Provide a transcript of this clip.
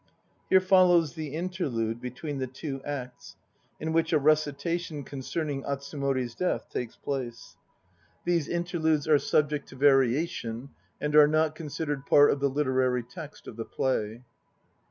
(Here follows the Interlude between the two Acts, in which a recitation concerning Atsumori s death takes place. These 40 THE NO PLAYS OF JAPAN interludes are subject to variation and are not considered part of the literary text of the play.)